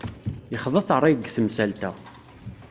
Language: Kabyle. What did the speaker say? Yexḍa-t ṛṛay deg temsalt-a.